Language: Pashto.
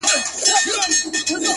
بيا دې د دوو سترگو تلاوت شروع کړ _